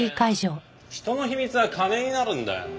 人の秘密は金になるんだよ。